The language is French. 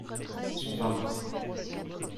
Son vin.